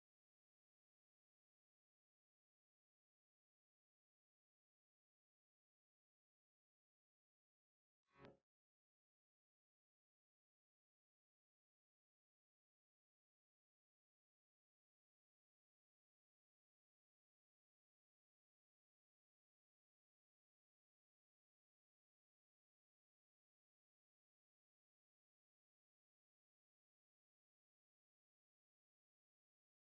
baru baru dong ada yang kuharap kuharap